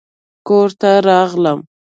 کور ته راغلم